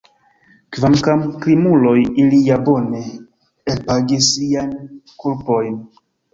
Kvankam krimuloj, ili ja bone elpagis siajn kulpojn!